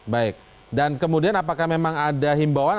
baik dan kemudian apakah memang ada himbauan